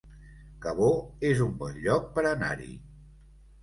Cabó es un bon lloc per anar-hi